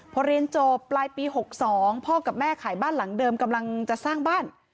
พอเรียนจบปลายปี๖๒พ่อกับแม่ขายบ้านหลังเดิมกำลังจะสร้างบ้าน